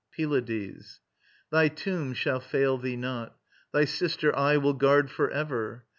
PYLADES. Thy tomb shall fail thee not. Thy sister I Will guard for ever.